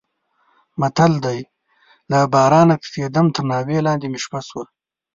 متل دی: له بارانه تښتېدم تر ناوې لانې مې شپه شوه.